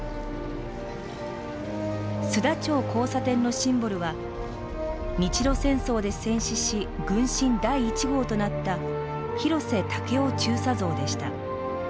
須田町交差点のシンボルは日露戦争で戦死し軍神第１号となった広瀬武夫中佐像でした。